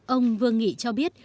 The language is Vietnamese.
ông vương nghị cho biết